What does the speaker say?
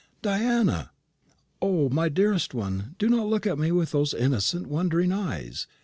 "Diana!" "O, my dearest one, do not look at me with those innocent, wondering eyes.